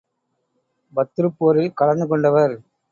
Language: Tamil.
பத்ருப் போரில் கலந்து கொண்டவர்.